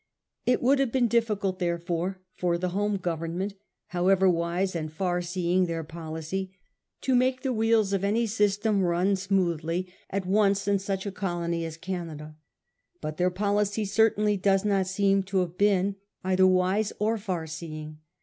It would have been difficult, therefore, for the home Government, however wise and far seeing their policy, to make the wheels of any system run smoothly 52 A HISTORY OF OUR OWN TIMES. oh. in. at once in sucIl a colony as Canada. But their policy certainly does not seem to have been either wise or far seeing.